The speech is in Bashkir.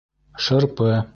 Шырпы